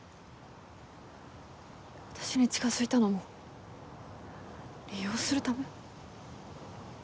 私に近づいたのも利用するため？